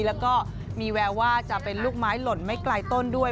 แล้วก็มีแววว่าจะเป็นลูกไม้หล่นไม่ไกลต้นด้วย